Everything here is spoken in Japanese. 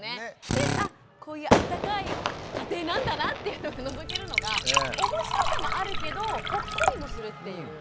でこういうあったかい家庭なんだなっていうのがのぞけるのがおもしろさもあるけどほっこりもするっていう。